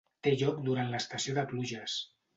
Té lloc durant l'estació de pluges.